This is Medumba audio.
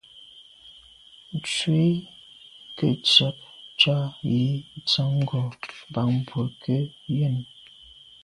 Ntshu i nke ntswe’ tsha’ yi ntsan ngo’ bàn bwe ke yen.